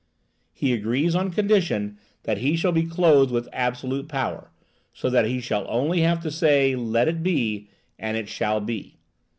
He agrees on condition that he shall be clothed with absolute power, so that he shall only have to say "Let it be," and it shall be.